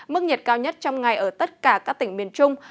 mức nhiệt cao nhất trong ngày ở tất cả các tỉnh miền trung